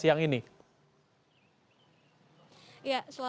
jangan lupa untuk beri pertanyaan di kolom komentar